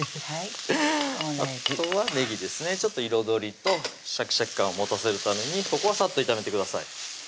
あとはねぎですねちょっと彩りとしゃきしゃき感を持たせるためにここはさっと炒めてください